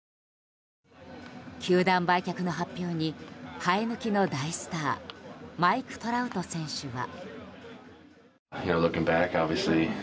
球団売却の発表に生え抜きの大スターマイク・トラウト選手は。